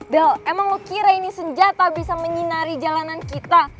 del emang mau kira ini senjata bisa menyinari jalanan kita